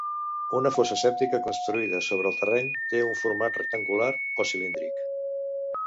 Una fossa sèptica construïda sobre el terreny té un format rectangular o cilíndric.